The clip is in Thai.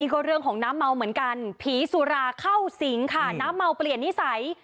ก็เรื่องของน้ำเมาเหมือนกันผีสุราเข้าสิงค่ะน้ำเมาเปลี่ยนนิสัย